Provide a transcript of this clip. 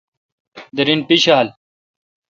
درین پیڄھال۔